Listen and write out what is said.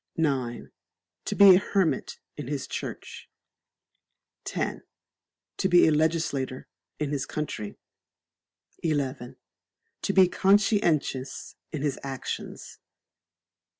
ix. To be a hermit in his church. x. To be a legislator in his country. xi. To be conscientious in his actions.